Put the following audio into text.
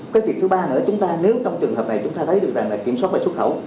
cái việc thứ ba nữa chúng ta nếu trong trường hợp này chúng ta thấy được rằng là kiểm soát và xuất khẩu